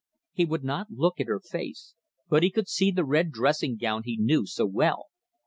He would not look at her face, but he could see the red dressing gown he knew so well.